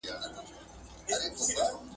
تل نوي مهارتونه زده کړه.